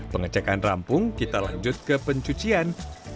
pengecekan rampung kita lanjut ke pencucian